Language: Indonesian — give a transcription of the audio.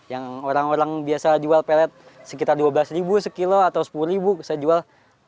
yang orang orang biasa jual pelet sekitar dua belas ribu sekilo atau sepuluh ribu saya jual enam lima ratus